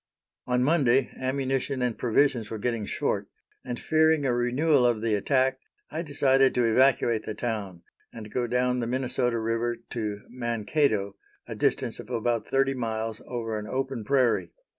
On Monday ammunition and provisions were getting short, and fearing a renewal of the attack, I decided to evacuate the town, and go down the Minnesota river to Mankato, a distance of about thirty miles over an open prairie.